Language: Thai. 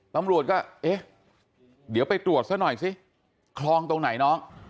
ตำรวจก็เอ๊ะเดี๋ยวไปตรวจซะหน่อยสิคลองตรงไหนน้อง